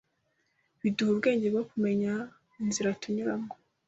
Biduha ubwenge bwo kumenya inzira tunyuramo.